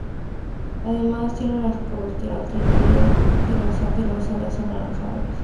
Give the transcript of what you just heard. Además tiene las coberteras de la parte inferior de las alas anaranjadas.